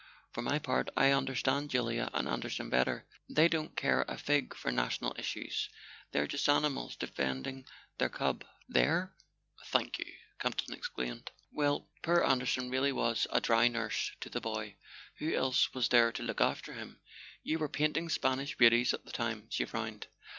For my part, I understand Julia and Anderson better. They don't care a fig for national issues; they're just animals defending their cub." " Their —thank you !" Campton exclaimed. "Well, poor Anderson really was a dry nurse to the boy. Who else was there to look after him ? You were painting Spanish beauties at the time." She frowned.